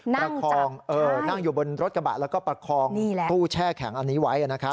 ประคองนั่งอยู่บนรถกระบะแล้วก็ประคองตู้แช่แข็งอันนี้ไว้